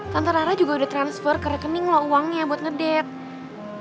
tante rara juga udah transfer ke rekening lo uangnya buat ngedate